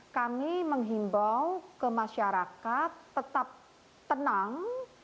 kami menghimbau ke masyarakat tetap tenang